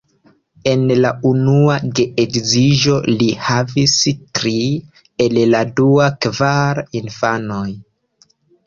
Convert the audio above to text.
El la unua geedziĝo li havis tri, el la dua kvar infanojn.